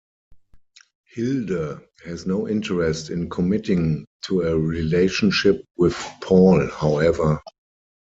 Hilde has no interest in committing to a relationship with Paul, however.